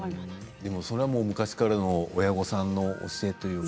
それは昔からの親御さんの教えというのが？